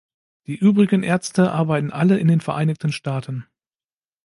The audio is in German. Die übrigen Ärzte arbeiten alle in den Vereinigten Staaten.